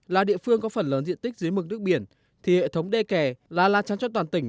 là địa phương có phần lớn diện tích dưới mực nước biển thì hệ thống đê kè là la chắn cho toàn tỉnh